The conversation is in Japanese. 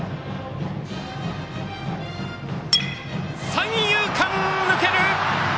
三遊間抜ける！